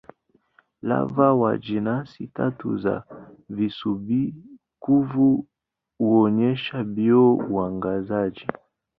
Lava wa jenasi tatu za visubi-kuvu huonyesha bio-uangazaji.